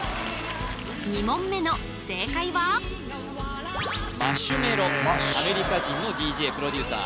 ２問目の正解はマシュメロアメリカ人のＤＪプロデューサー